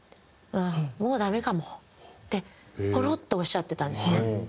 もうダメかも」ってポロッとおっしゃってたんですね。